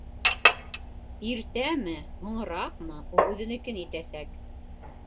Иртәме, һуңыраҡмы, ул үҙенекен итәсәк.